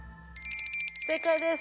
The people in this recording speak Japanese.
正解です！